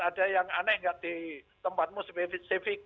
ada yang aneh nggak di tempatmu spesifik